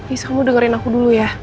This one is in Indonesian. is kamu dengerin aku dulu ya